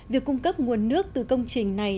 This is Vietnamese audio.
việc cung cấp nguồn nước từ công trình này